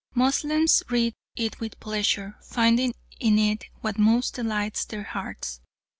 Moslems read it with pleasure, finding in it what most delights their hearts.